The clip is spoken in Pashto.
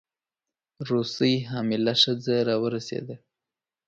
روسۍ حامله ښځه راورسېده.